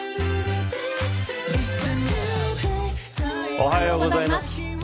おはようございます。